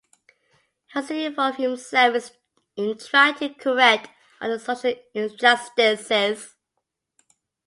He also involved himself in trying to correct other social injustices.